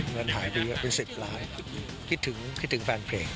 เงินหายไปเยอะเป็น๑๐ล้านคิดถึงคิดถึงแฟนเพลง